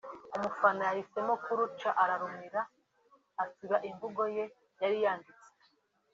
umufana yahisemo kuruca ararumira asiba imvugo ye yari yanditse